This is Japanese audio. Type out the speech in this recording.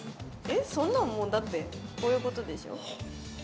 そんなん、もう、だってこういうことでしょう。